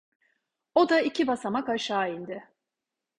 O da iki basamak aşağı indi.